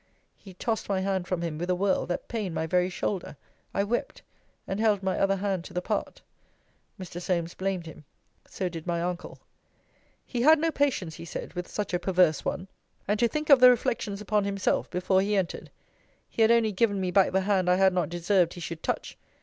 He tossed my hand from him with a whirl, that pained my very shoulder. I wept, and held my other hand to the part. Mr. Solmes blamed him. So did my uncle. He had no patience, he said, with such a perverse one; and to think of the reflections upon himself, before he entered. He had only given me back the hand I had not deserved he should touch.